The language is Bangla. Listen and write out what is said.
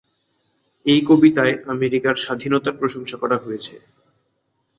এই কবিতায় আমেরিকার স্বাধীনতার প্রশংসা করা হয়েছে।